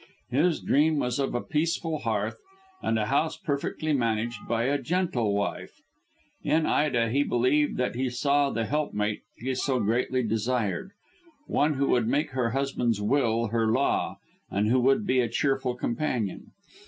His dream was of a peaceful hearth and a house perfectly managed by a gentle wife. In Ida he believed that he saw the helpmate he so greatly desired: one who would make her husband's will her law, and who would be a cheerful companion.